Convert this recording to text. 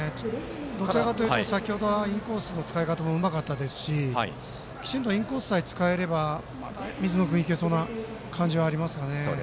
どちらかというと先程、インコースの使い方もうまかったですしきちんとインコースさえ使えれば水野君いけそうな感じがしますね。